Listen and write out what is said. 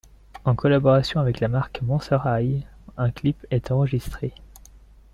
En collaboration avec la marque Monster High un clip est enregistré.